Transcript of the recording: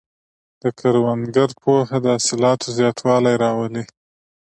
د کروندګر پوهه د حاصلاتو زیاتوالی راولي.